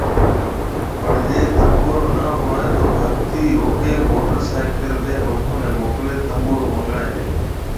پڻ جي تنبورو ني ھوئي تو ڀگتي روڪي موٽر سائيڪل تي منکون ني موڪلي تنبورو منگائي ھيَََ